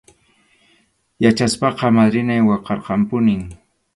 Yachaspaqa madrinay waqarqanpunim.